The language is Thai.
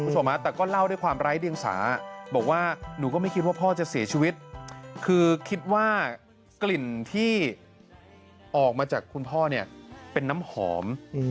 คุณผู้ชมฮะแต่ก็เล่าด้วยความไร้เดียงสาบอกว่าหนูก็ไม่คิดว่าพ่อจะเสียชีวิตคือคิดว่ากลิ่นที่ออกมาจากคุณพ่อเนี่ยเป็นน้ำหอม